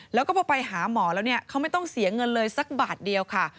แล้วก็พอไปหาหมอแล้วเนี่ยเขาไม่ต้องเสียเงินเลยสักบาทเดียวค่ะ